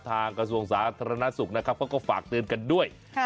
กระทรวงสาธารณสุขนะครับเขาก็ฝากเตือนกันด้วย